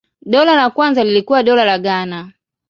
Dola la kwanza lilikuwa Dola la Ghana.